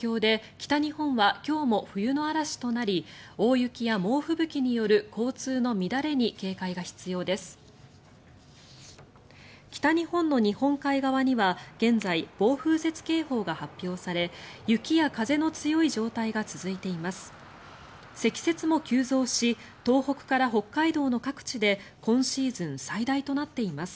北日本の日本海側には現在、暴風雪警報が発表され雪や風の強い状態が続いています。